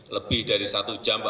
lebih dari satu jam